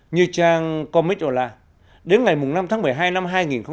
như trang comet ola đến ngày năm tháng một mươi hai năm hai nghìn một mươi sáu